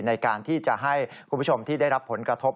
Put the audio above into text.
ในการที่จะให้คุณผู้ชมที่ได้รับผลกระทบ